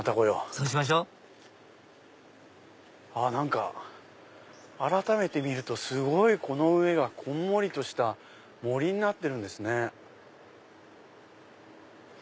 そうしましょ何か改めて見るとすごいこの上がこんもりとした森になってるんですね。